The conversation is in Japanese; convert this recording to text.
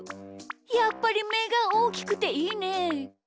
やっぱりめがおおきくていいね。